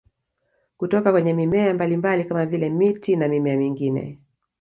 Kutoka kwenye mimea mbalimbali kama vile miti na mimea mingine